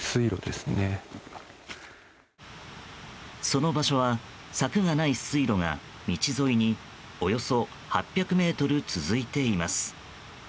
その場所は、柵がない水路が道沿いにおよそ８００ｍ続いています。